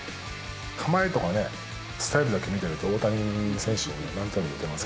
構えとかね、スタイルだけ見てると大谷選手になんとなく似てます。